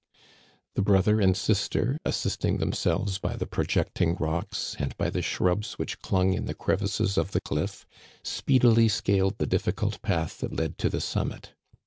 The brother and sister, assisting themselves by the projecting rocks, and by the shrubs which clung in the crevices of the cliff, speedily scaled the diflficult path that led to the summit.